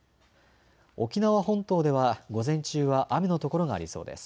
沖縄本島では午前中は雨のところがありそうです。